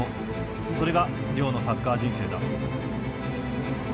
それが亮のサッカー人生だ。